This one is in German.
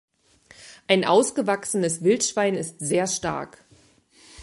Ein ausgewachsenes Wildschwein ist sehr stark.